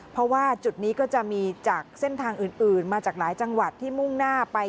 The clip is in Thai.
เพราะว่าจุดนี้ก็จะมีจากเส้นทางอื่นมาจากหลายจังหวัดที่มุ่งหน้าไป